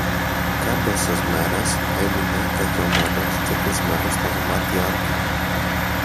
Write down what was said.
Κάμποσες μέρες έμεινε κακιωμένος και κλεισμένος στα δωμάτιά του.